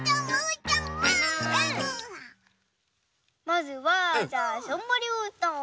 まずはじゃあしょんぼりうーたん。